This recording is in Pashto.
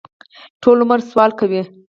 ټول عمر سوال کوي.